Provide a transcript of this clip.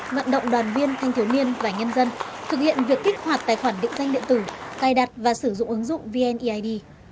vận động đoàn viên thanh thiếu niên và nhân dân thực hiện việc kích hoạt tài khoản định danh điện tử cài đặt và sử dụng ứng dụng vneid